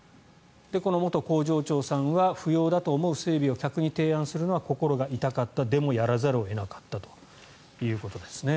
この元工場長さんは不要だと思う整備を客に提案するのは心が痛かったでもやらざるを得なかったということですね。